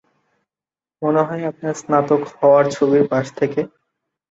মনে হয় আপনার স্নাতক হওয়ার ছবির পাশ থেকে।